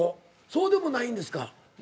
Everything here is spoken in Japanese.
そうでもないんですか？